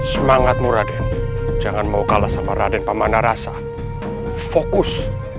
semangatmu raden jangan mau kalah sama raden pamanarasa fokus